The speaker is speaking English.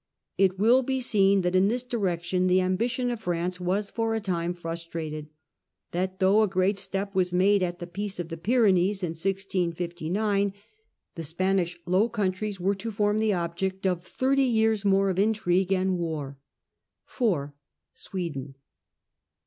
It will be seen that in this direction the ambition of France was for a time frustrated ; that, though a great step was made at the Peace of the Pyrenees (1659), the Spanish Low Countries were to form the object of thirty years more of intrigue and of war. 4. Sweden.